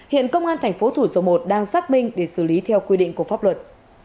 hiện công an tp thủ dầu một đang xác minh để xử lý theo quy định của pháp luật